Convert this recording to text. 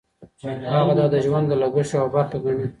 هغه دا د ژوند د لګښت یوه برخه ګڼي.